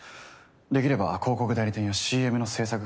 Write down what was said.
できれば広告代理店やＣＭの制作会社など。